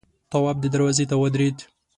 تواب دروازې ته ودرېد.